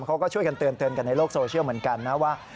เขาก็ช่วยกันเตือนกันในโลกโซเชียลเหมือนกันนะว่า